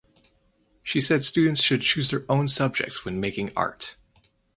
She said students should choose their own subjects when making art.